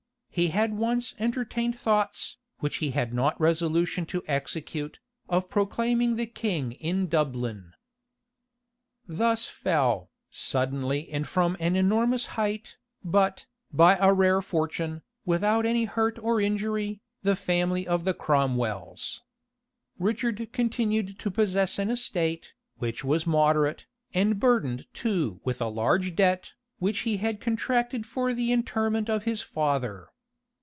He had once entertained thoughts, which he had not resolution to execute, of proclaiming the king in Dublin.[] * Ludlow. Carte's Collections, vol. ii. p. 243. Thus fell, suddenly and from an enormous height, but, by a rare fortune, without any hurt or injury, the family of the Cromwells. Richard continued to possess an estate, which was moderate, and burdened too with a large debt, which he had contracted for the interment of his father.